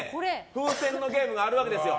風船のゲームがあるわけですよ。